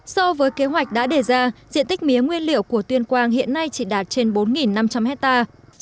so với kế hoạch đã đề ra diện tích mía nguyên liệu của tuyên quang hiện nay chỉ đạt trên bốn năm trăm linh hectare